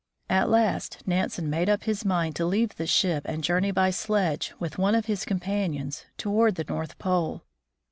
At last Nansen made up his mind to leave the ship and journey by sledge with one of his companions toward the North Pole.